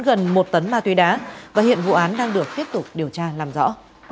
gần một tấn ma túy đá và hiện vụ án đang được tiếp tục điều tra làm rõ